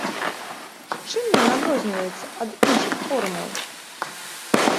Чым ён адрозніваецца ад іншых форумаў?